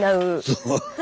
そう。